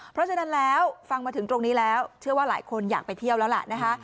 เพราะฉะนั้นแล้วฟังมาถึงตรงนี้แล้วเชื่อว่าหลายคนอยากไปเที่ยวแล้วล่ะนะคะ